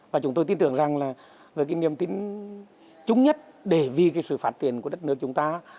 và chúng tôi tin tưởng rằng là với cái niềm tin trúng nhất để vì cái sự phát triển của đất nước chúng ta